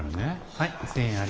はい。